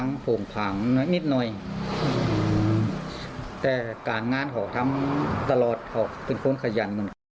น้องคนขยัน